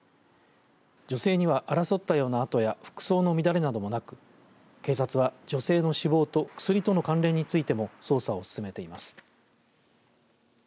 女性には争ったような跡や服装の乱れなどはなく警察は女性の死亡と薬との関連についても捜査を進めています。